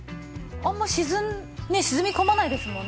あんまねえ沈み込まないですもんね。